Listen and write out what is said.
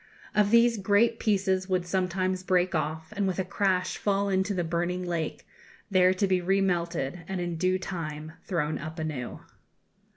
Of these great pieces would sometimes break off, and with a crash fall into the burning lake, there to be remelted and in due time thrown up anew.